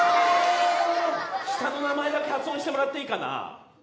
下の名前だけ発音してもらっていいかな？